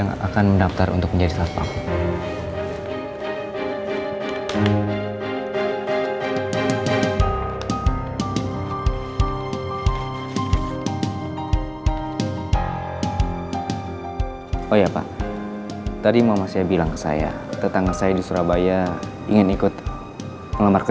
gak boleh sampai terluka